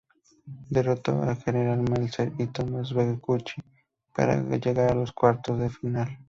Derrotó a Gerald Melzer y Thomaz Bellucci para llegar a los cuartos de final.